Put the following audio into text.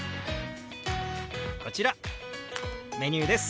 こちらメニューです。